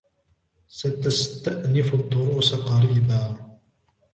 ستستأنف الدروس قريبا.